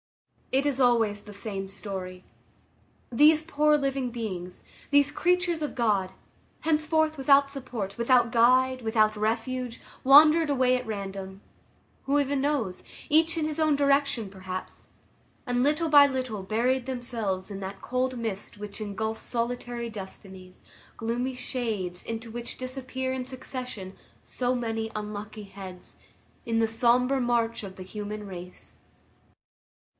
It is always the same story. These poor living beings, these creatures of God, henceforth without support, without guide, without refuge, wandered away at random,—who even knows?—each in his own direction perhaps, and little by little buried themselves in that cold mist which engulfs solitary destinies; gloomy shades, into which disappear in succession so many unlucky heads, in the sombre march of the human race.